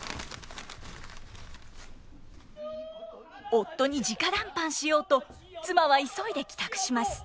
夫に直談判しようと妻は急いで帰宅します。